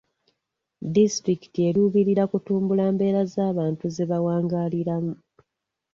Disitulikiti eruubirira kutumbula mbeera z'abantu ze bawangaaliramu.